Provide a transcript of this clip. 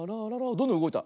どんどんうごいた。